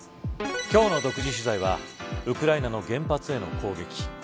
今日の独自取材はウクライナの原発への攻撃。